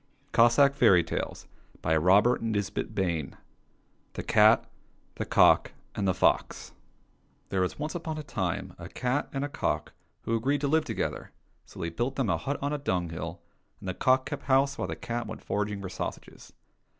J87 THE CAT, THE COCK, AND THE FOX THE CAT, THE COCK, AND THE FOX THERE was once upon a time a cat and a cock, who agreed to live together, so they built them a hut on an ash heap, and the cock kept house while the cat went foraging for sausages.